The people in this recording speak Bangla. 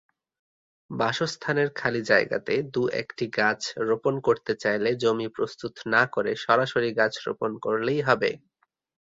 বাসস্থানের খালি জায়গাতে দু’একটি গাছ রোপণ করতে চাইলে জমি প্রস্তুত না করে সরাসরি গাছ রোপণ করলেই হবে।